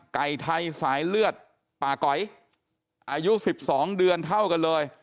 ไก่ไทยสายเลือดป่าก๋อยอายุ๑๒เดือนเท่ากันเลย